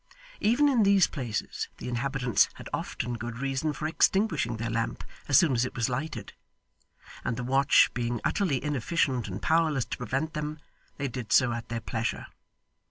Even in these places, the inhabitants had often good reason for extinguishing their lamp as soon as it was lighted; and the watch being utterly inefficient and powerless to prevent them, they did so at their pleasure.